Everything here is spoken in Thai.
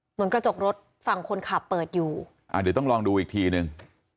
กระจกรถฝั่งคนขับเปิดอยู่อ่าเดี๋ยวต้องลองดูอีกทีนึง